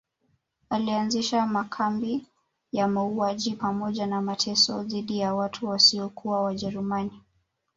Alianzisha makambi ya mauaji pamoja na mateso dhidi ya watu wasiokuwa wajerumani